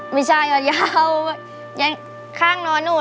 ไม่ใช่ยาวยังข้างนอนหนูแล้วก็